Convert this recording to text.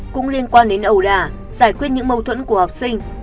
cũng liên quan đến ẩu đả giải quyết những mâu thuẫn của học sinh